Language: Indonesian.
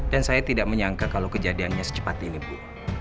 dan saya tidak menyangka kalau kejadiannya secepat ini bu